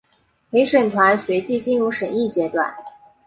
陪审团随即进入审议阶段。